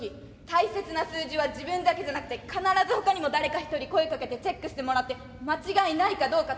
大切な数字は自分だけじゃなくて必ずほかにも誰か一人声かけてチェックしてもらって間違いないかどうか確かめてって。